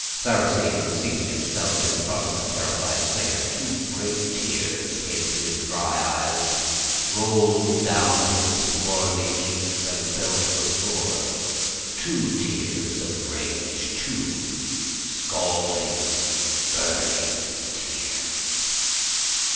"Sarrasine seated himself in front of the terrified singer. Two great tears came from his dry eyes, rolled down his swarthy cheeks, and fell to the floor two tears of rage, two scalding, burning tears.